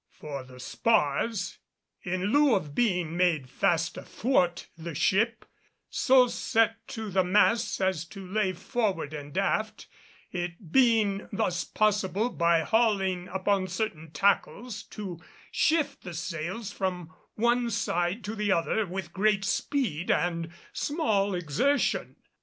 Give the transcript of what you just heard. For the spars, in lieu of being made fast athwart the ship, so set to the masts as to lay forward and aft, it being thus possible by the hauling upon certain tackles to shift the sails from the one side to the other with great speed and small exertion.